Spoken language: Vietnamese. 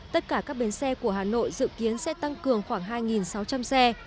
tất cả các bến xe của hà nội dự kiến sẽ tăng cường khoảng hai sáu trăm linh xe